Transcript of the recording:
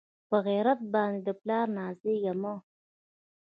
پۀ غېرت باندې د پلار نازېږه مۀ